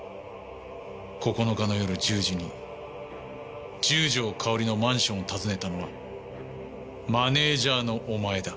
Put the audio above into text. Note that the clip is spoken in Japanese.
９日の夜１０時に十条かおりのマンションを訪ねたのはマネージャーのお前だ。